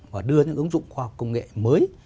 và đưa những ứng dụng khoa học công nghiệp tổ thủy